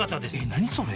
何それ？